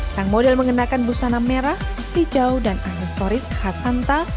sang model mengenakan busana merah hijau dan aksesoris khas santa